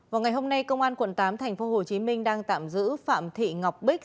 vào ngày hôm nay công an quận tám tp hcm đang tạm giữ phạm thị ngọc bích